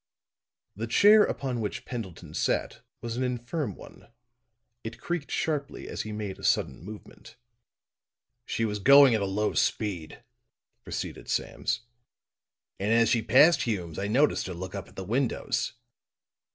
The chair upon which Pendleton sat was an infirm one; it creaked sharply as he made a sudden movement. "She was going at a low speed," proceeded Sams, "and as she passed Hume's I noticed her look up at the windows.